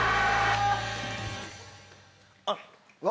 あっ。